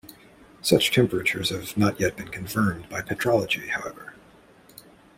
Such temperatures have not yet been confirmed by petrology, however.